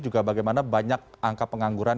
juga bagaimana banyak angka pengangguran